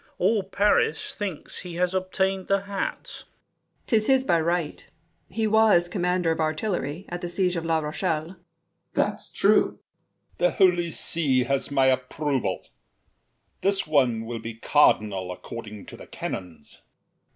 All Paris thinks he has obtained the hat. ABBÉ DE GONDI. 'Tis his by right. He was commander of Artillery at the siege of La Rochelle. DUKE DE BELLEGARDE. That's true! L'ANGELY. The Holy See has my approval. This one will be a cardinal according To the canons.